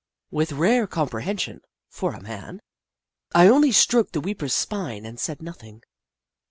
With rare comprehension, for a man, I only stroked the weeper's spine and said nothing.